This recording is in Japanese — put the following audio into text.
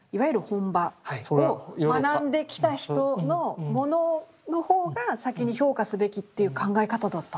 それはヨーロッパ。を学んできた人のものの方が先に評価すべきっていう考え方だったんですか？